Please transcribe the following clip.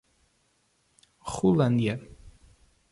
Rolândia